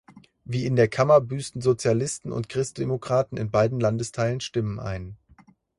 Wie in der Kammer büßten Sozialisten und Christdemokraten in beiden Landesteilen Stimmen ein.